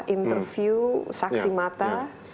interview saksi mata